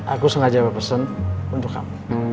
aku sengaja berpesan untuk kamu